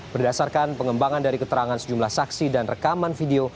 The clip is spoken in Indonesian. berdasarkan pengembangan dari keterangan sejumlah saksi dan rekaman video